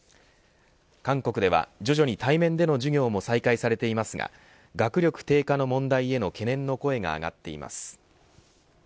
韓国では、徐々に対面での授業も再開されていますが学力低下の問題への懸念の声が上がっています。